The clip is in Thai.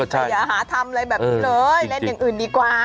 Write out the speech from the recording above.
แต่อย่าหาทำอะไรแบบนี้เลยเล่นอย่างอื่นดีกว่า